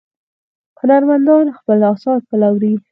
هنرمندان خپل اثار پلوري.